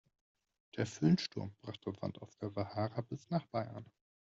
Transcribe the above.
Der Föhnsturm brachte Sand aus der Sahara bis nach Bayern.